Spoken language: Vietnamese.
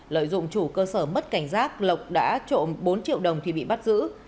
lợi dụng chủ cơ sở mất cảnh giác lộc đã trộm bốn triệu đồng thì bị bắt giữ